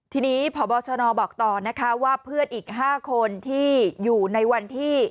ทีนี้พบชนบอกต่อนะคะว่าเพื่อนอีก๕คนที่อยู่ในวันที่